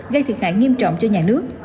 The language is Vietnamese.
gây thiệt hại nghiêm trọng cho nhà nước